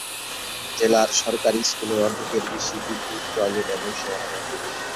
জেলার সরকারি স্কুলের অর্ধেকের বেশি বিদ্যুৎ, টয়লেট এবং সীমানা প্রাচীর নেই।